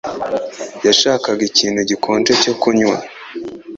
yashakaga ikintu gikonje cyo kunywa.